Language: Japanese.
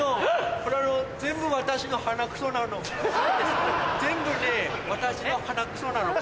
これ全部私の鼻くそなの。